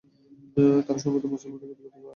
তারা সম্ভবত মুসলমানদের ক্ষতি করতে থাকবে।